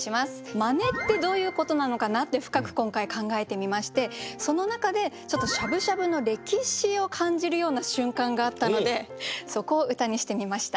真似ってどういうことなのかなって深く今回考えてみましてその中でしゃぶしゃぶの歴史を感じるような瞬間があったのでそこを歌にしてみました。